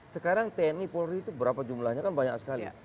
sekarang tni polri itu berapa jumlahnya kan banyak sekali